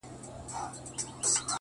• چي ملخ ته یې نیژدې کړله مشوکه ,